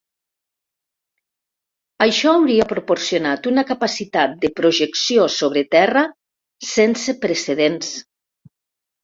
Això hauria proporcionat una capacitat de projecció sobre terra sense precedents.